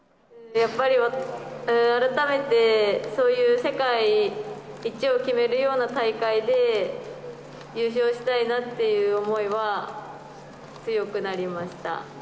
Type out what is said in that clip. やっぱり、改めてそういう世界一を決めるような大会で、優勝したいなっていう思いは強くなりました。